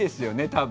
多分。